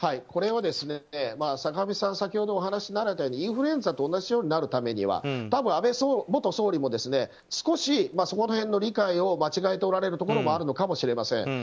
坂上さん、先ほどお話が合ったようにインフルエンザと同じようになるためには多分、安倍元総理も少し、そこら辺の理解を間違えておられるところもあるのかもしれません。